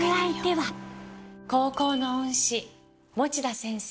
高校の恩師持田先生